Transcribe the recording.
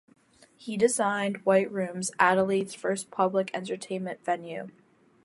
He designed White's Rooms, Adelaide's first public entertainment venue.